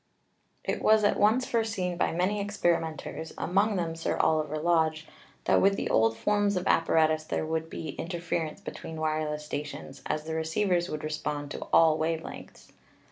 It was at once foreseen by many experimenters, among them Sir Oliver Lodge, that with the old forms of appa ratus there would be interference between wireless sta tions, as the receivers would respond to all wave lengths.